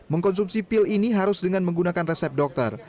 mengkonsumsi pil ini harus dengan menggunakan resep dokter